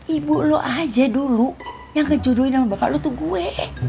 ibu lo aja dulu yang kejuduin sama bapak lu tuh gue